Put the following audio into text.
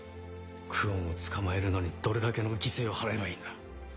久遠を捕まえるのにどれだけの犠牲を払えばいいんだ。